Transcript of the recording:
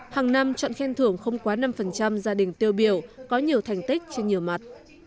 hằng năm trận khen thưởng không quá năm gia đình tiêu biểu có nhiều thành tích trên nhiều mặt